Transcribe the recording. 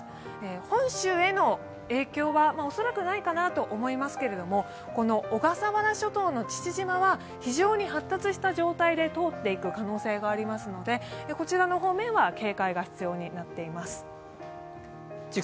本州への影響は恐らくないかなと思いますけれども、この小笠原諸島の父島は非常に発達した状態で通っていく可能性がありますのでこちらの方面は警戒が必要になっています。